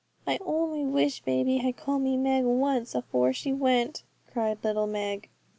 'I only wish baby had called me Meg once afore she went,' cried little Meg.